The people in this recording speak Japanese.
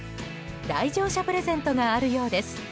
来場者プレゼントがあるようです。